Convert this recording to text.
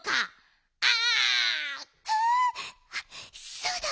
そうだわ。